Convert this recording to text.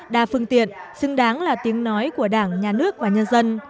đa phương tiện xứng đáng là tiếng nói của đảng nhà nước và nhân dân